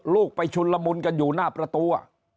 ลูกไปชุนละมุนกันอยู่หน้าประตู